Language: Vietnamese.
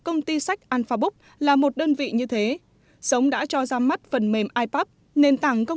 công ty sách alphabook là một đơn vị như thế sống đã cho ra mắt phần mềm ipub nền tảng công